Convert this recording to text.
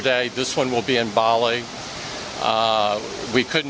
jadi kami sangat teruja